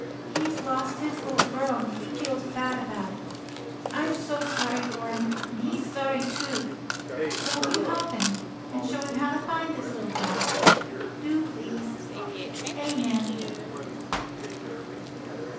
He has lost his little girl, and he feels bad about it. I'm so sorry for him, and he's sorry, too. Won't you help him, and show him how to find his little girl? Do, please. Amen."